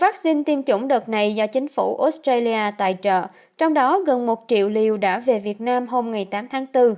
vaccine tiêm chủng đợt này do chính phủ australia tài trợ trong đó gần một triệu liều đã về việt nam hôm tám tháng bốn